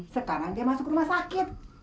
sekarang dia masuk rumah sakit